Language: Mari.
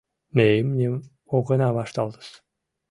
— Ме имньым огына вашталтыс.